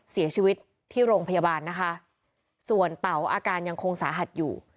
เสียชีวิตที่โรงพยาบาลนะคะส่วนเต๋าอาการยังคงสาหัสอยู่